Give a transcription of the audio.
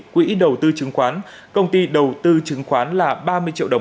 quỹ đầu tư chứng khoán công ty đầu tư chứng khoán là ba mươi triệu đồng